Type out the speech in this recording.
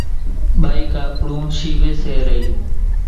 ٻائِي ڪاپڙون شيويَ سي رئِي۔